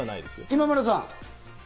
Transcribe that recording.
今村さん。